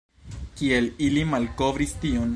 Kiel ili malkovris tion?